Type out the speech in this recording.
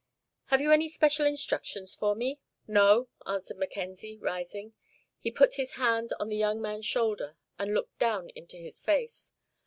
"Have you any special instructions for me?" "No," answered Mackenzie, rising. He put his hand on the young man's shoulder and looked down into his face.